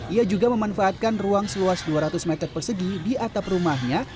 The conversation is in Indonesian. ia juga memanfaatkan ruang seluas dua ratus meter persegi di atap rumahnya